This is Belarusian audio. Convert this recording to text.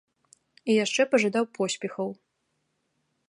І яшчэ пажадаў поспехаў.